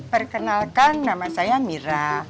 perkenalkan nama saya mira